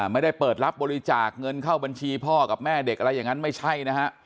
ไม่ได้เปิดรับบริจาคเงินเข้าบัญชีพ่อกับแม่เด็กอะไรอย่างนั้นไม่ใช่นะฮะ